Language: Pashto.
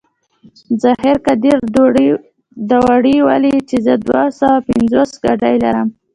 ظاهر قدير دوړې ولي چې زه دوه سوه پينځوس ګاډي لرم.